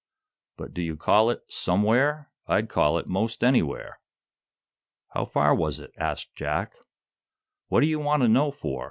But do you call it 'somewhere'? I'd call it most anywhere." "How far was it?" asked Jack. "What do you want to know for?"